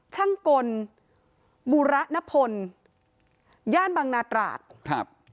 ๒ช่างกลมุรณพลย่านบังนาธรรพ์